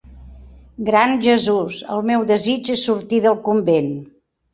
Gran Jesús, el meu desig és sortir del convent.